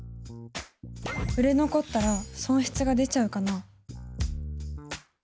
売れ残ったら損失が出ちゃうかな？